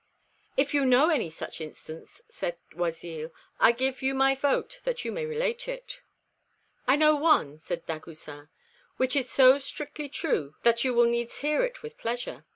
"If you know any such instance," said Oisille, "I give you my vote that you may relate it." "I know one," said Dagoucin, "which is so strictly true that you will needs hear it with pleasure.